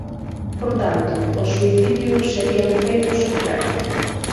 Por tanto o suicidio sería un feito social.